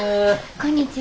こんにちは。